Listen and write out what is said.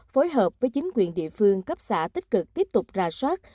phối hợp với chính quyền địa phương cấp xã tích cực tiếp tục ra soát